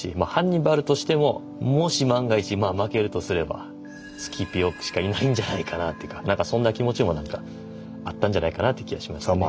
あハンニバルとしてももし万が一まあ負けるとすればスキピオしかいないんじゃないかなっていうかなんかそんな気持ちもあったんじゃないかなって気がします。